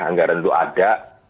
anggaran itu ada